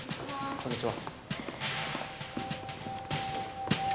こんにちは